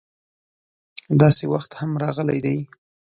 داسې وخت هم راغلی دی.